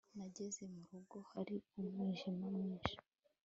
Nageze mu rugo hari umwijima mwinshi